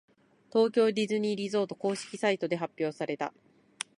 東京ディズニーリゾート公式サイトで発表された。